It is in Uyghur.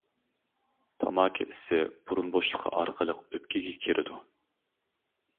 تاماكا ئىسى بۇرۇن بوشلۇقى ئارقىلىق ئۆپكىگە كىرىدۇ.